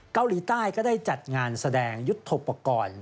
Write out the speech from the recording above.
เกาหลีใต้ก็ได้จัดงานแสดงยุทธโปรกรณ์